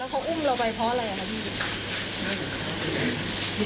เขาอุ้มเราไปเพราะอะไรครับพี่